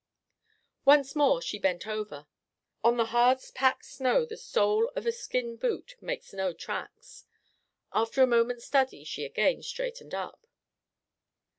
Once more she bent over. On the hard packed snow, the sole of a skin boot makes no tracks. After a moment's study she again straightened up.